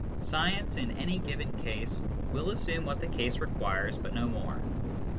Science, in any given case, will assume what the case requires, but no more.